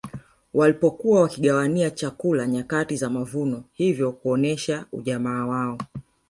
Walipokuwa wakigawania chakula nyakati za mavuno hivyo kuonesha ujamaa wao